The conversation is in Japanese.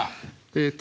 えっと